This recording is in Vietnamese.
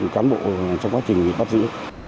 cán bộ trong quá trình bắt giữ